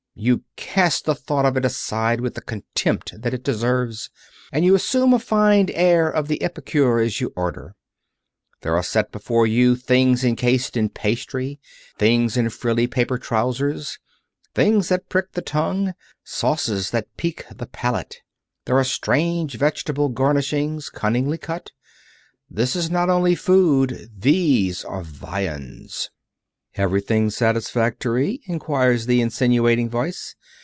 You cast the thought of it aside with the contempt that it deserves, and you assume a fine air of the epicure as you order. There are set before you things encased in pastry; things in frilly paper trousers; things that prick the tongue; sauces that pique the palate. There are strange vegetable garnishings, cunningly cut. This is not only Food. These are Viands. "Everything satisfactory?" inquires the insinuating Voice.